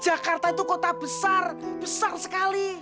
jakarta itu kota besar besar sekali